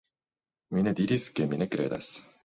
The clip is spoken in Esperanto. Mi ne diris ke mi ne kredas.